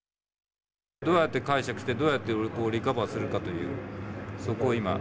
どうやって解釈してどうやってリカバーするかというそこを今。